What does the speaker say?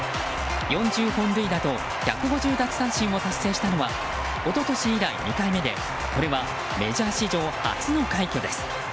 ４０本塁打と１５０奪三振を達成したのは一昨年以来２回目でこれはメジャー史上初の快挙です。